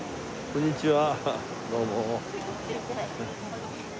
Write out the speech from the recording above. こんにちは。